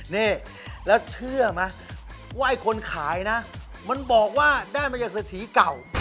นี่แล้วเชื่อมะว่าไอ้คนขายนะมันบอกว่าได้มาอย่างสถีย์เก่า